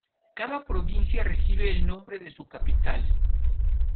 Cada provincia recibe el nombre de su capital.